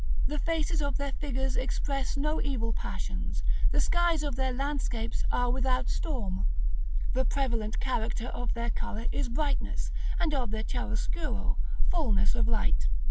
The faces of their figures express no evil passions; the skies of their landscapes are without storm; the prevalent character of their color is brightness, and of their chiaroscuro fulness of light.